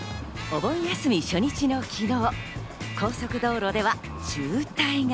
お盆休み初日の昨日、高速道路では渋滞が。